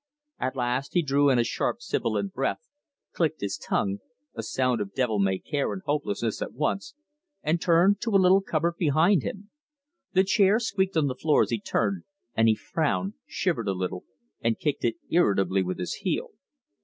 At last he drew in a sharp, sibilant breath, clicked his tongue a sound of devil may care and hopelessness at once and turned to a little cupboard behind him. The chair squeaked on the floor as he turned, and he frowned, shivered a little, and kicked it irritably with his heel.